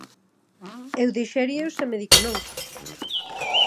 Eu deixaríao se me di que non.